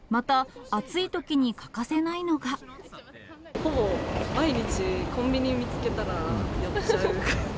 また、ほぼ毎日、コンビニ見つけたら寄っちゃう。